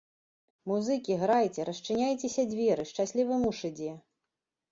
Музыкі, грайце, расчыняйцеся дзверы, шчаслівы муж ідзе.